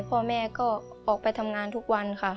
พ่อแม่ก็ออกไปทำงานทุกวันค่ะ